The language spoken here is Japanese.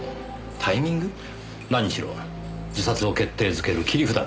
何しろ自殺を決定づける切り札ですからね。